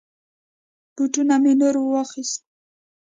بوټونه می نور واخيست.